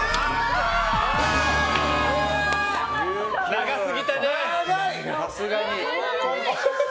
長すぎたね。